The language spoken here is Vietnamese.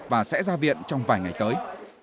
và sẽ ra viện trong vài ngày tới